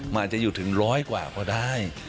มันอาจจะอยู่ถึงร้อยกว่าก็ได้